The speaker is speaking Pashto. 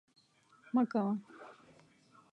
مه کوه